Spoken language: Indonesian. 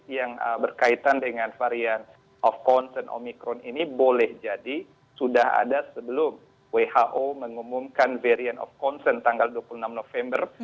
yang berkaitan dengan varian of concern omikron ini boleh jadi sudah ada sebelum who mengumumkan variant of concern tanggal dua puluh enam november